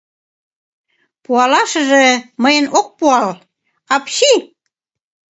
Пуалашыже... мыйын ок пуал... апчи!